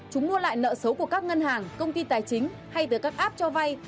chúng mua lại nợ xấu của các ngân hàng công ty tài chính hay từ các app cho vay